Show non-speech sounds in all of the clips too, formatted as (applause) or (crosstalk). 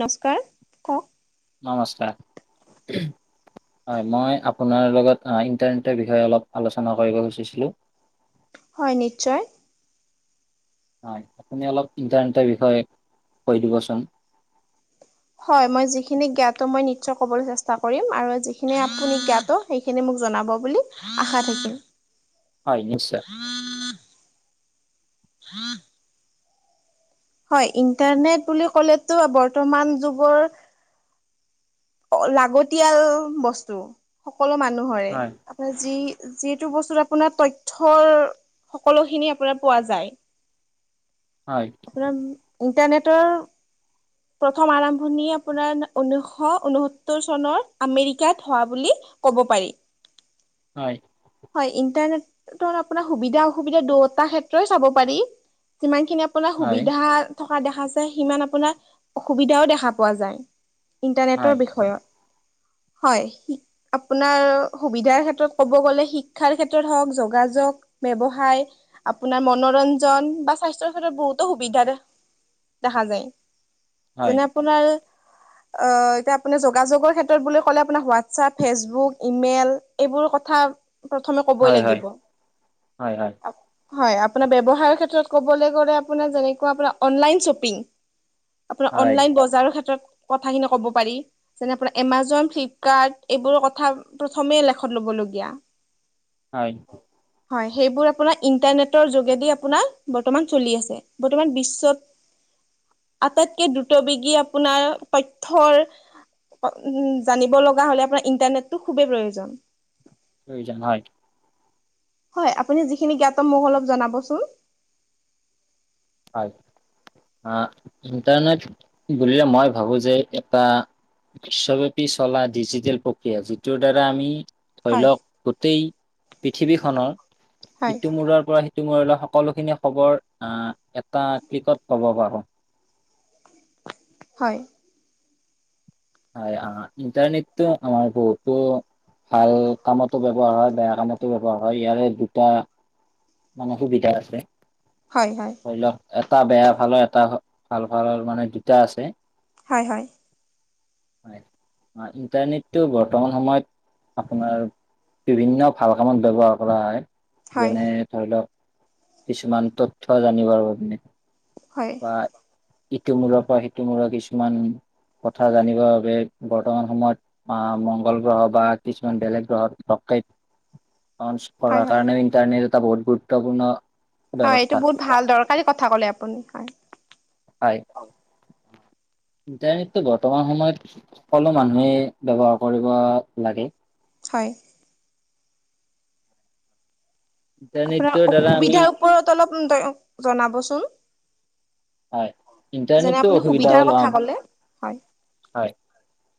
নমস্কাৰ, কওক? নমস্কাৰ। হয় মই আপোনাৰ লগত ইন্টাৰনেটৰ বিষয়ে অলপ আলোচনা কৰিব বিচাছিলো? হয় নিশ্চয়। হয়, আপুনি অলপ ইণ্টাৰনেটৰ বিষয়ে কৈ দিবচোন। হয়, মই যিখিনি জ্ঞাত, মই নিশ্চয় ক'বলৈ চেষ্টা কৰিম আৰু যিখিনি আপুনি জ্ঞাত সেইখিনি মোক জনাব বুলি আশা থাকিল। হয় নিশ্চয়। (inaudible) হয় ইন্টাৰনেট বুলি ক'লেটো বৰ্তমান যুগৰ অ'লাগতিয়াল বস্তু সকলো মানুহৰে। হয়। আপোনাৰ যি যিটো বস্তুত আপোনাৰ তথ্যয়ৰ সকলোখিনি আপোনাৰ পোৱা যায়। হয়। ইণ্টাৰনেটৰ প্ৰথম আৰম্ভণি আপোনাৰ ঊনৈছশ ঊনসত্তৰ চনৰ আমেৰিকাত হোৱা বুলি কব পাৰি। হয়। হয় ইণ্টাৰনেটৰ আপোনাৰ সুবিধা-অসুবিধা দুয়োটা ক্ষেত্ৰই চাব পাৰি। যিমান খিনি আপোনাৰ হয় সুবিধা থকা দেখাছে সিমান আপোনাৰ অসুবিধাও দেখা পোৱা যায়। হয় ইণ্টাৰনেটৰ বিষয়ত হয়। আপোনাৰ সুবিধাৰ ক্ষেত্ৰত ক'ব গ'লে শিক্ষাৰ ক্ষেত্ৰত হওঁক, যোগা-যোগ ব্যৱসায়, আপোনাৰ মনোৰঞ্জন বা স্বাস্থ্যৰ ক্ষেত্ৰত বহুতো সুবিধা দেখা যায়, হয় যেনে আপোনাৰ এতিয়া আপুনি যোগাযোগৰ ক্ষেত্ৰত বুলি ক'লে আপোনাৰ হোৱাটছআপ ফেচবুক ইমেইল এইবোৰ কথা প্ৰথমে কবই হয় হয় লাগিব। হয় হয় হয় আপোনাৰ ব্যৱসায়ৰ ক্ষেত্ৰত ক'বলৈ গ'লে আপোনাৰ যেনেকুৱা আপোনাৰ অনলাইন শ্বপিং, আপোনাৰ হয় অনলাইন বজাৰ ক্ষেত্ৰত কথা খিনি কব পাৰি। আপোনাৰ এমাজন, ফ্লিপকাৰ্ট এইবোৰ কথা প্ৰথমে লেখত ল'বলগীয়া। হয়। হয় সেইবোৰ আপোনাৰ ইন্টাৰনেটৰ যোগেদি আপোনাৰ বৰ্তমান চলি আছে। বৰ্তমান বিশ্বত আটাইতকে দ্ৰুতবেগী আপোনাৰ তথ্যৰ উম জানিব লগা হ'লে আপোনাৰ ইন্টাৰনেটটো খুবেই প্ৰয়োজন। প্ৰয়োজন হয়। হয় আপুনি যিখিনি জ্ঞাত মোক অলপ জনাবচোন। হয় ইণ্টাৰনেট বুলিলে মই ভাবো যে এটা বিশ্ব সব্যাপী চলা ডিজিটেল প্ৰক্ৰিয়া যিটো দ্বাৰা আমি ধৰি হয় লওক গোটেই পৃথিৱীখনৰ হয় ইটোমূৰাৰ পৰা সি সকলোখিনি খবৰ আহ এটা ক্ৰিকত পাব পাৰো। হয়। হয় আহ ইণ্টাৰনেটৰ আমাৰ বহুতো ভাল কামতো ব্যৱহাৰ হয়, বেয়া কামতো ব্যৱহাৰ হয় ইয়াৰে দুটা মানে সুবিধা আছে। হয় হয়। ধৰি লওক এটা বেয়া ভালৰ এটা ভাল ভালৰ মানে দুটা আছে। হয় হয়। হয় ইণ্টাৰনেটটো বৰ্তমান সময়ত আপোনাৰ বিভিন্ন ভাল কামত ব্যৱহাৰ কৰা হয়, হয় যেনে ধৰি লওক কিছুমান তথ্য জানিব বাৰু আপুনি। হয়! ইটো মূৰৰ পৰা, সিটো মূৰৰ কিছুমান কথা জানিবৰ বাবে বৰ্তমান সময়ত আঁ মংগল গ্ৰহ বা কিছুমান বেলেগ গ্ৰহত (unintelligible) অঞ্চ হয় কৰাৰ হয় কাৰণে ইণ্টাৰনেট এটা বহুত গুৰুত্বপূৰ্ণ হয় এইটো ব্যৱস্থা বহুত ভাল দৰকাৰী কথা ক'লে আপুনি হয়। হয়। ইণ্টাৰনেটটো বৰ্তমান সময়ত, সকলো মানুহে ব্যৱহাৰ কৰিব লাগে। হয়! আপোনাৰ ইণ্টাৰনেটৰ দ্বাৰা আমি অসুবিধাৰ ওপৰত অলপ জনাবচোন? হয় যেনে, ইণ্টাৰনেটটো আপুনি অসুবিধা হ'ল সুবিধাৰ অ কথা ক'লে? হয় হয়!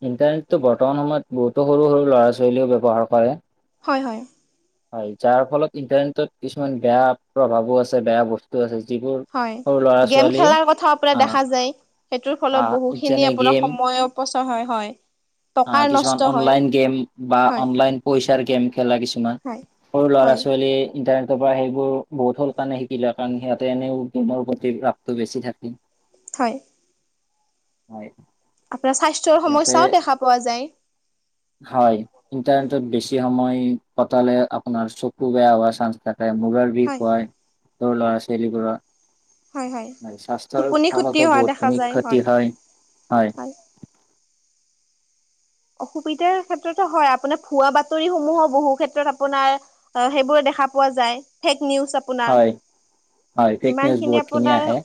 ইণ্টাৰনেটটো বৰ্তমান সময়ত, বহুতো সৰু- সৰু, ল'ৰা- ছোৱালীয়েও ব্যৱহাৰ কৰে। হয়! হয়! হয়! যাৰ ফলত, ইণ্টাৰনেটত কিছুমান বেয়া প্ৰভাৱো আছে, বেয়া বস্তু আছে যিবোৰ হয়! সৰু ল'ৰা গেম ছোৱালীয়ে খেলাৰ কথাও আপোনাৰ দেখা যায়। সেইটোৰ ফলত, বহুখিনি যেনে আপোনাৰ গেম সময় অপচয় হয়। হয়! আঁ টকাৰ কিছুমান নষ্ট হয় অনলাইন গেম বা হয় অনলাইন পইছাৰ গেম খেলা কিছুমান হয় সৰু ল'ৰা হয় -ছোৱালীয়ে ইণ্টাৰনেট তাৰপৰা, সেইবোৰ বহুত হ'ল কাৰণে শিকি লয়। কাৰণ, সিহঁতে এনেও গেমৰ প্ৰতি ৰাপটো বেছি থাকে। হয়! হয়! আপোনাৰ স্বাস্থ্যৰ সিহঁতে সমস্যাও দেখা পোৱা যায়। হয়! ইণ্টাৰনেটত বেছি সময়, কটালে আপোনাৰ চকু বেয়া হোৱাৰ চাঞ্চ থাকে। মোবাইল বিষ হয়। সৰু ল'ৰা -ছোৱালীবোৰৰ হয় হয় স্বাস্থ্যৰ টোপনি ক্ষতি ফালতো হোৱা দেখা বহুতখিনি যায় ক্ষতি হয়। হয়! অসুবিধাৰ ক্ষেত্ৰতো হয়। আপোনাৰ ভুৱা বাতৰিসমূহো বহু ক্ষেত্ৰত, আপোনাৰ অ'! সেইবোৰে দেখা পোৱা যায়। ফেক নিউজ শুনা। হয় হয় ফেক নিউজ যিমানখিনি বহুতখিনি আপোনাৰ আহে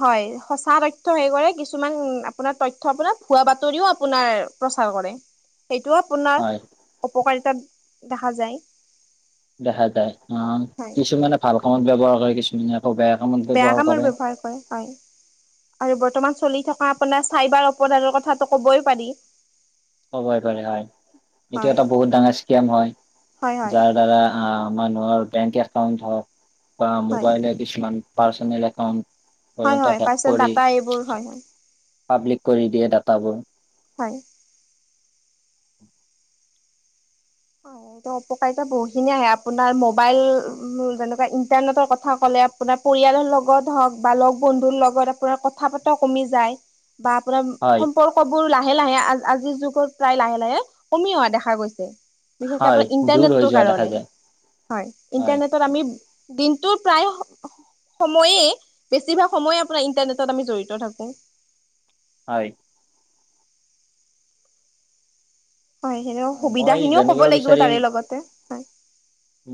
হয়! সঁচা তথ্য সেই কৰে। কিছুমান, আপোনাৰ তথ্য আপোনাৰ, ভুৱা বাতৰিও আপোনাৰ প্ৰচাৰ কৰে। সেইটোও আপোনাৰ হয় অপকাৰীতাত দেখা যায়। দেখা যায়। অ'! হয় কিছুমানে ভাল কামত ব্যৱহাৰ কৰে, কিছুমানে আকৌ বেয়া কামত বেয়া ব্যৱহাৰ কামত কৰে ব্যৱহাৰ কৰে। হয়! আৰু বৰ্তমান চলি থকা আপোনাৰ, চাইবাৰ অপৰাধৰ কথাটো ক'বই পাৰি। ক'বই পাৰি। হয়! এইটো হয় এটা বহুত ডাঙৰ স্কেম হয়। হয় হয় যাৰ দ্বাৰা আঁ মানুহৰ বেংক একাউণ্ট হওঁক বা হয় মোবাইলে কিছুমান পাৰ্চনেল হয় একাউণ্ট হয় (unintelligible) হেক পাৰ্চনেল কৰি, ডাটা এইবোৰ হয় হয় পাব্লিক কৰি দিয়ে ডাটাবোৰ। হয়! (unintelligible) অপকাৰীতা বহুখিনিয়ে আহে। আপোনাৰ মো'বাইল, যেনেকুৱা ইণ্টাৰনেটৰ কথা ক'লে আপোনাৰ পৰিয়ালৰ লগত হওঁক বা লগ বন্ধুৰ লগত আপোনাৰ কথা বতৰা কমি যায়। বা আপোনাৰ সম্পৰ্ক হয় সম্পৰ্কবোৰ লাহে লাহে আ আজিৰ যুগত প্ৰায়, লাহে লাহে কমি অহা দেখা গৈছে। বিশেষকে, হয় আপুনাৰ দূৰ হৈ ইণ্টাৰনেটটোৰ যোৱা দেখা কাৰণে? যায় হয়! ইণ্টাৰনেট (unintelligible) আমি দিনটো প্ৰায় স সময়ে, বেছিভাগ সময়ে আপোনাৰ, ইন্টাৰনেটত আমি জড়িত থাকোঁ। হয়! হয়! সেইখিনিও। সুবিধা মই খিনিও ক'ব জানিব লাগিব বিচাৰিম তাৰে লগতে। হয়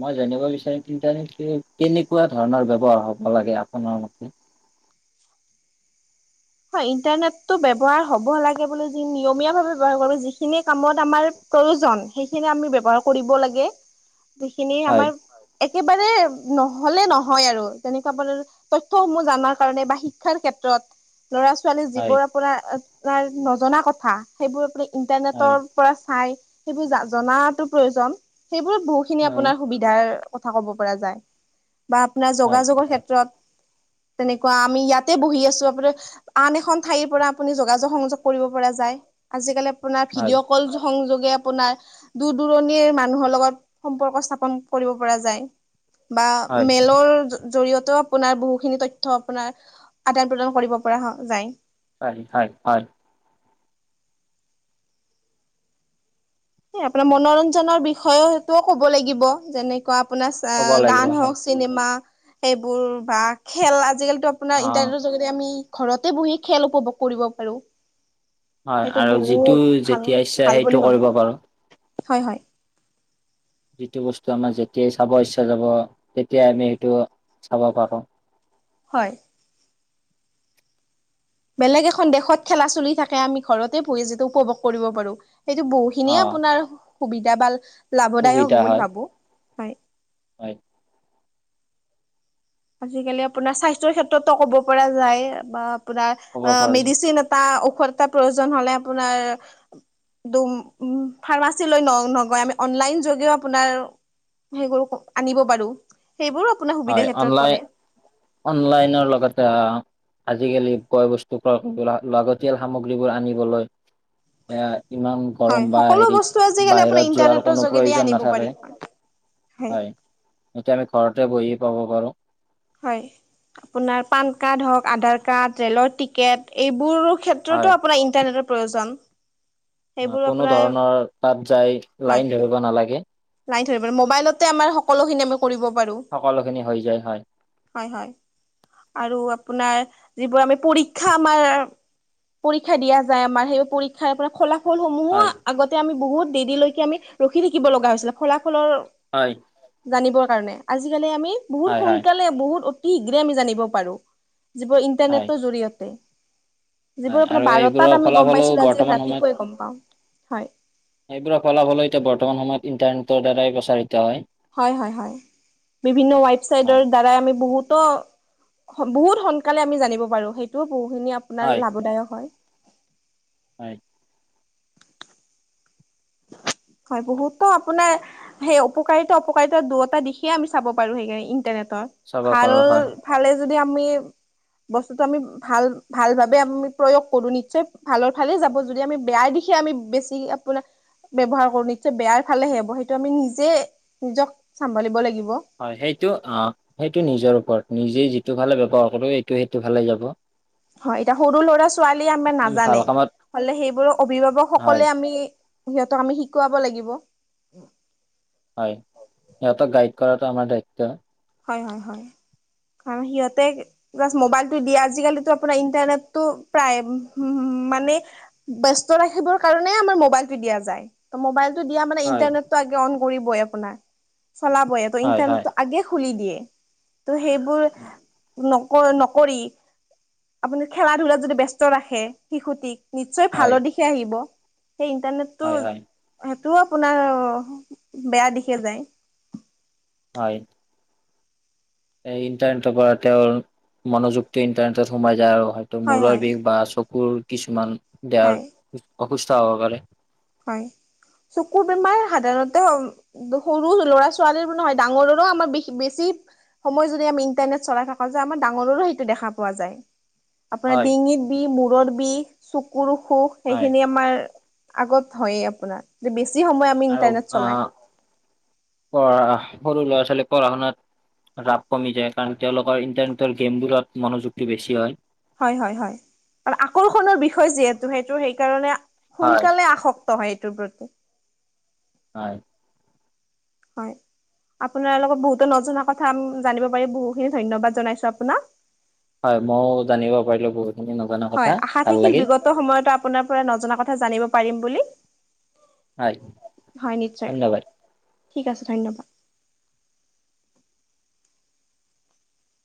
মই জানিব বিচাৰিম, ইণ্টাৰনেটটো কেনেকুৱা ধৰণৰ ব্যৱহাৰ হ'ব লাগে আপোনাৰ মতে? হয়! ইণ্টাৰনেটটো ব্যৱহাৰ হ'ব লাগে বুলি যি, নিয়মীয়াভাৱে ব্যৱহাৰ কৰিব, যিখিনি কামত আমাৰ প্ৰয়োজন সেইখিনি আমি ব্যৱহাৰ কৰিব লাগে (unintelligible) সেইখিনি হয় আমাৰ একেবাৰে নহলে নহয় আৰু তেনেকুৱা তথ্যসমূহ জনাৰ কাৰণে বা শিক্ষাৰ ক্ষেত্ৰত ল'ৰা -ছোৱালী হয় যিবোৰ আপোনাৰ, নজনা কথা! সেইবোৰ আপুনি ইণ্টাৰনেটৰ হয় পৰা চাই। সেইবোৰ, জা জনাটো প্ৰয়োজন। সেইবোৰত বহু খিনি হয় আপুনাৰ সুবিধা সুবিধাৰ কথা ক'ব পৰা যায়। বা আপোনাৰ হয় যোগা- যোগৰ ক্ষেত্ৰত তেনেকুৱা! আমি ইয়াতে বহি আছোঁ। আপোনাৰ আন এখন ঠাইৰ পৰা আপুনি যোগাযোগ সংযোগ কৰিব পৰা যায়। আজিকালি আপোনাৰ হয় ভিডিঅ' কল সংযোগে আপোনাৰ দূৰ দূৰণিৰ মানুহৰ লগত সম্পৰ্ক স্থাপন কৰিব পৰা যায়। বা হয় মেলৰ জৰিয়তেও আপোনাৰ বহুখিনি তথ্য আপোনাৰ আদান প্ৰদান কৰিব পৰা হ যায়। হয় হয় হয় এ আপোনাৰ মনোৰঞ্জনৰ বিষয়টোও ক'ব লাগিব যেনেকুৱা আপোনাৰ ক'ব লাগিব গান হয় হওক চিনেমা সেইবোৰ বা খেল আজিকালিতো আপোনাৰ অ ইন্টাৰনেটৰ যোগেদি আমি ঘৰতে বহি খেল উপভোগ কৰিব পাৰো হয় সেইটো আৰু যিটো বহুত ভাল যেতিয়া ইচ্ছা ভাল সেইটো বুলি ভাবো কৰিব পাৰো হয় হয় যিটো বস্তু আমাৰ যেতিয়াই চাব ইচ্ছা যাব তেতিয়াই আমি সেইটো চাব পাৰো হয় বেলেগ এখন দেশত খেলা চলি থাকে আমি ঘৰতে বহি যিটো উপভোগ কৰিব পাৰো সেইটো বহুত অ খিনিয়ে আপোনাৰ সুবিধা বা লাভদায়ক হ'ব সুবিধা বুলি হয় ভাবো হয় হয় আজিকালি আপোনাৰ স্বাস্থ্যৰ ক্ষেত্ৰতো ক'ব পৰা যায় বা ক'ব আপোনাৰ পাৰো মেডিচিন টা ঔষধ এটা প্ৰয়োজন হলে আপোনাৰ দোম উ ফাৰ্মাচী লৈ ন নগৈ আমি অনলাইন যোগেও আপোনাৰ সেই গৰুকো আনিব পাৰো সেইবোৰো আপোনাৰ সুবিধা হয় ক্ষেত্ৰত পৰে অনলাইন অনলাইনৰ লগতে আজিকালি কয় বস্তু পৰা লাগতিয়াল সামগ্ৰীবোৰ আনিবলৈ এয়া ইমান হয় গৰম বা সকলো বস্তু হেৰিত আজিকালি আপোনাৰ বাহিৰত যোৱাৰ ইন্টাৰনেটৰ কোনো যোগেদিয়ে প্ৰয়োজন আনিব পাৰি নাথাকে হয় এতিয়া আমি ঘৰতে বহি পাব পাৰো হয় আপোনাৰ পান কাৰ্ড হওক আধাৰ কাৰ্ড, ৰে'লৰ টিকেট এইবোৰো হয় ক্ষেত্ৰতো আপোনাৰ ইন্টাৰনেটৰ প্ৰয়োজন অ সেইবোৰ কোনো আপোনাৰ ধৰণৰ তাত যাই লাইন ধৰিব নালাগে লাই ধৰিবলে মোবাইলতে আমাৰ সকলোখিনি আমি কৰিব পাৰো সকলোখিনি হৈ যায় হয় হয় হয় আৰু আপোনাৰ যিবোৰ আমি পৰীক্ষা আমাৰ পৰীক্ষা দিয়া যায় আমাৰ সেই পৰীক্ষাৰ পৰা খলা ফলসমূহো হয় আগতে আমি বহুত দেৰিলৈকে আমি ৰখি থাকিব লগা হৈছিলে ফলাফলৰ হয় জানিবৰ কাৰণে আজিকালি আমি বহু হয় হয় সোনকালে বহুত অতি শীঘ্ৰে আমি জানিব পাৰোঁ যিবোৰ হয় ইন্টাৰনেটৰ জৰিয়তে যিবোৰ হয় আপোনাৰ আৰু বাৰটাত এইবোৰৰ আমি গম ফলাফলো পাইছিলো আজি বৰ্তমান সময়ত ৰাতিপুৱাই গম পাওঁ। হয়, সেইবোৰো ফলা ফলো এতিয়া বৰ্তমান সময়ত ইণ্টাৰনেটৰ দ্বাৰাই প্ৰচাৰিত হয় হয় হয় হয় বিভিন্ন হয় ৱেবচাইটৰ দ্বাৰাই আমি বহুতো বহুত সোনকালে আমি জানিব পাৰো সেইটোও বহুখিনি আপোনাৰ হয় লাভদায়ক হয় হয় হয় বহুত আপোনাৰ সেই উকাৰিতা অপকাৰিতা দুটা দিশে আমি চাব পাৰো সেইকাৰণে ইণ্টাৰনেটৰ চাব ভাল পাৰো হয় ভালে যদি আমি বস্তুটো আমি ভাল ভাল ভাৱে আমি প্ৰয়োগ কৰো নিশ্চয় ভালৰ ফালে যাব যদি আমি বেয়াই দিশ দিশে আমি বেছি আপোনাৰ ব্যৱহাৰ (unintelligible) বেয়াৰ ফালেহে হ'ব সেইটো আমি নিজে নিজক চম্ভালিব লাগিব। হয় সেইটো অ' সেইটো নিজৰ ওপৰত নিজে যিটো ফালে (unintelligible) কৰিব সেইটো সেইটোৰ ফালে যাব। হয় এতিয়া সৰু ল'ৰা ছোৱালীয়ে আমাৰ আমি ভাল নাজানে কামত হলে সেইবোৰক হয় অভিভাৱকসকলে আমি সিহঁতক আমি শিকোৱাব লাগিব হয় সিহঁতক গাইড কৰাটো আমাৰ দায়িত্ব হয় হয় হয় কাৰণ সিহঁতে জাস্ট মবাইলটো দি আজি কালিটো আপোনাৰ ইন্টাৰনেট টো প্ৰায় মানে ব্যস্ত ৰাখিবৰ কাৰণে আমাৰ মোবাইলটো দিয়া যায়। ত, মোবাইলতটো দিয়া মানে হয় ইণ্টাৰনেটটো আগে অন কৰিবই আপোনাৰ চলাবইে ত হয় হয় ইণ্টাৰনেটটো আগে (unintelligible) দিয়ে ত সেই বোৰ ন কৰ নকৰি আপুনি খেলা ধূলাত যদি ব্যস্ত ৰাখে শিশুটিক নিশ্চয় হয় ভালৰ দিশে আহিব সেই ইন্টাৰনেট হয় তোৰ হয় সেইটোও আপোনাৰ বেয়া দিশে যায়। হয়। এই, ইণ্টাৰনেটৰ পৰা তেওঁৰ মনোযুকটো ইণ্টাৰনেটত সোমাই যায় আৰু হয় ত মূৰৰ বিষ বা চকুৰ কিছুমান দেহৰ হয় অসুস্থ হ'ব পাৰে। হয় চকুৰ বেমাৰ সাধাৰণতে সৰু ল'ৰা ছোৱালীৰ নহয় ডাঙৰৰো আমাৰ বে বেছি সময় যদি আমি ইণ্টাৰনেট চলাই থকা যায় আমাৰ ডাঙৰৰো সেইটো দেখা পোৱা যায়। আপোনাৰ হয় ডিঙিত বি মূৰৰ বিষ চকুৰ অসুখ হয় সেইখিনি আমাৰ আগত হয়য়ে আপোনাৰ বেছি সময় আমি আৰু ইণ্টাৰনেট আ চলাই প সৰু ল'ৰা-ছোৱালী পঢ়া শুনাত ৰাপ কমি যায় কাৰণ তেওঁলোকৰ ইন্টাৰনেটৰ গেমবোৰত মনোযোগ টো বেছি হয়। হয়, হয়, হয় আৰু আকৰ্ষণৰ বিষয় যিহেতু সেইটো সেই কাৰণে হয় সোনকালে আশক নহয় এইটোৰ প্ৰতি। হয়। হয় আপোনাৰ লগত বহুতো নজনা কথা জানিব পাৰি বহুতখিনি ধন্যবাদ জনাইছো আপোনাক। হয় মইও জানিব পাৰিলো বহুতখিনি নজনা কথা ভাল লাগিল। তো সময়তে আপোনাৰ পৰা নজনা কথা জানিব পাৰিম বুলি। হয় হয় নিশ্চয় ধন্যবাদ ঠিক আছে ধন্যবাদ।